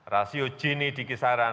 rasio gini di kisaran